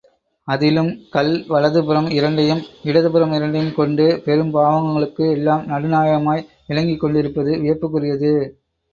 அதிலும் கள் வலதுபுறம் இரண்டையும், இடதுபுறம் இரண்டையும் கொண்டு, பெரும் பாவங்களுக்கு எல்லாம் நடுநாயகமாய் விளங்கிக் கொண்டிருப்பது வியப்புக்குரியது.